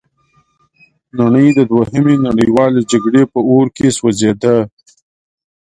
نړۍ د دوهمې نړیوالې جګړې په اور کې سوځیده.